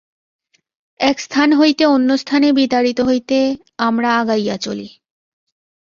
এক স্থান হইতে অন্য স্থানে বিতাড়িত হইতে হইতে আমরা আগাইয়া চলি।